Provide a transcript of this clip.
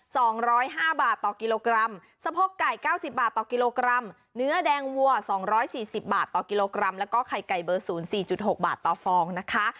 สองร้อยห้าบาทต่อกิโลกรัมสะโพกไก่เก้าสิบบาทต่อกิโลกรัมเนื้อแดงวัวสองร้อยสี่สิบบาทต่อกิโลกรัมแล้วก็ไข่ไก่เบอร์ศูนย์สี่จุดหกบาทต่อฟองนะคะ